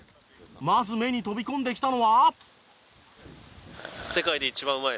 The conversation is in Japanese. まず目に飛び込んできたのは。